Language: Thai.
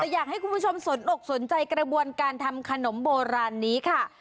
อยากให้คุณผู้ชมสนอกสนใจกระบวนการทำขนมโบราณนี้ค่ะ